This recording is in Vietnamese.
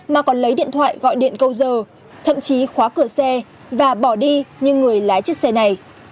mà còn lấy điện thoại gọi điện câu giờ thậm chí khóa cửa xe và bỏ đi như người lái chiếc xe này